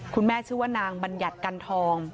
ชื่อว่านางบัญญัติกันทอง